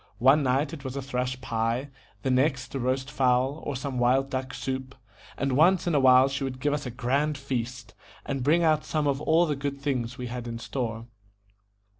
One night it was a thrush pie, the next a roast fowl, or some wild duck soup; and once in a while she would give us a grand feast, and bring out some of all the good things we had in store.